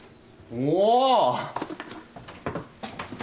おお！